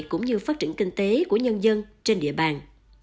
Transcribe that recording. cũng như phát triển kinh tế của nhân dân trên địa bàn